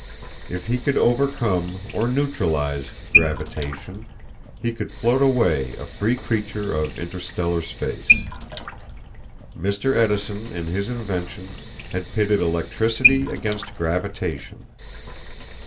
If he could overcome, or neutralize, gravitation he could float away a free creature of interstellar space. Mr. Edison in his invention had pitted electricity against gravitation.